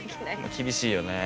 厳しいよね。